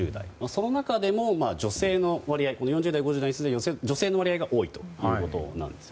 その中でも、女性の割合が多いということです。